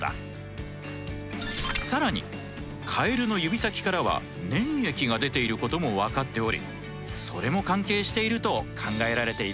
更にカエルの指先からは粘液が出ていることもわかっておりそれも関係していると考えられているんだ。